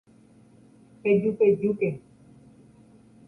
Pejupejúke